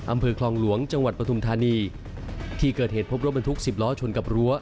อำเภอคลองหลวงจังหวัดปฐุมธานีที่เกิดเหตุพบรถบรรทุกสิบล้อชนกับรั้ว